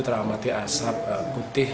tetap ya lima ratus meter